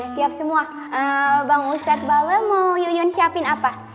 sesuai bang ustadz bawe mau yang siapin apa